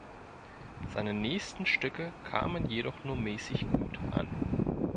Seine nächsten Stücke kamen jedoch nur mäßig gut an.